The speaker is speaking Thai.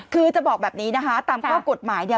คือจะบอกแบบนี้นะคะตามข้อกฎหมายเนี่ย